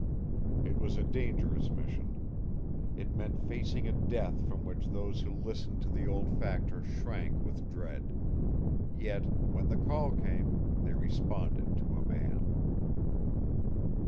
It was a dangerous mission. It meant facing a death from which those who listened to the old factor shrank with dread; yet, when the call came, they responded to a man.